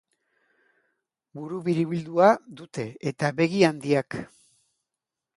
Buru biribildua dute eta begi handiak.